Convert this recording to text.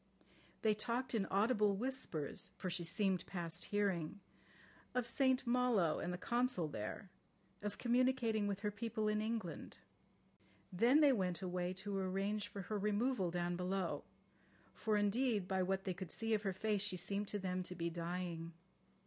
They talked in audible whispers (for she seemed past hearing) of St Malo and the Consul there, of communicating with her people in England. Then they went away to arrange for her removal down below, for indeed by what they could see of her face she seemed to them to be dying.